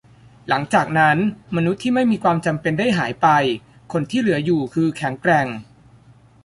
หลังจากนั้น มนุษย์ที่ไม่มีความจำเป็นได้หายไป คนที่เหลืออยู่คือแข็งแกร่ง